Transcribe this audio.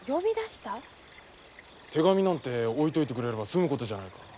手紙なんて置いといてくれれば済むことじゃないか。